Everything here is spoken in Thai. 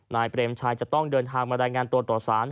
เปรมชัยจะต้องเดินทางมารายงานตัวต่อสาร